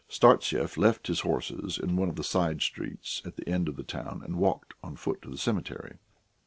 Startsev left his horses in one of the side streets at the end of the town, and walked on foot to the cemetery.